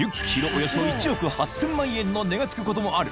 およそ１億８，０００万円の値が付くこともある雲